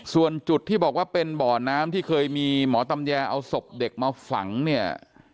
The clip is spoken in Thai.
ส่วนจุดที่บอกว่าเป็นบ่อน้ำที่เคยมีหมอตำแยเอาศพเด็กมาฝังเนี่ย